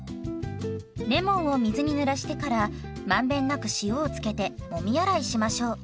レモンを水にぬらしてから満遍なく塩を付けてもみ洗いしましょう。